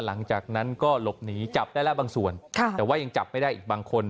หลังจากนั้นก็หลบหนีจับได้แล้วบางส่วนแต่ว่ายังจับไม่ได้อีกบางคน